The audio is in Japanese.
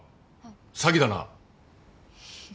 詐欺だな。